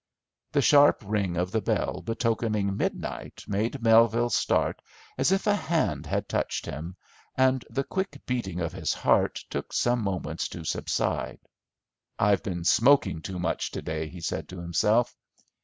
The sharp ring of the bell betokening midnight made Melville start as if a hand had touched him, and the quick beating of his heart took some moments to subside. "I've been smoking too much to day," he said to himself.